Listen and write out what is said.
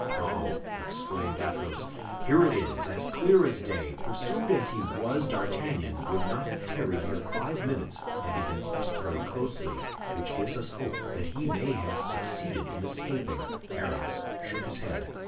"Oh!" exclaimed Athos, "here it is, as clear as day; pursued as he was, D'Artagnan would not have tarried here five minutes had he been pressed very closely, which gives us hopes that he may have succeeded in escaping." Aramis shook his head.